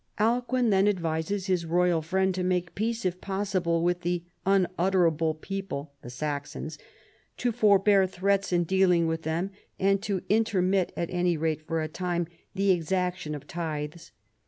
Alcuin then advises his royal friend to make peace if possible with the " unutterable " people (the Saxons), to forbear threats in dealing with them and to intermit, at any rate for a time, the exaction of tithes.